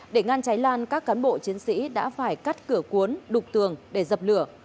để ngăn cháy lan các cán bộ chiến sĩ đã phải cắt cửa cuốn đục tường để dập lửa